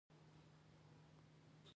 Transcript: افغانستان په دریابونه غني دی.